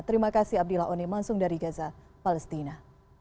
terima kasih abdillah onim langsung dari gaza palestina